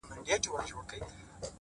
خو دوى يې د مريد غمى د پير پر مخ گنډلی،